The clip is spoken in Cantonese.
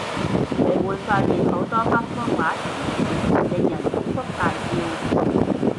你會發現好多北方話情景，令人捧腹大笑